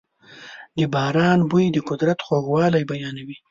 د باران بوی د قدرت خوږوالی بیانوي.